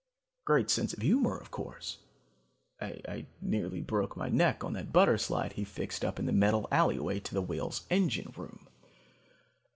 Great sense of humor, of course. I nearly broke my neck on that butter slide he fixed up in the metal alleyway to the Whale's engine room.